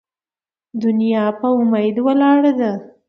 ـ دنيا په اميد ولاړه ده.